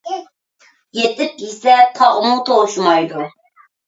يېتىپ يېسە تاغمۇ توشىمايدۇ.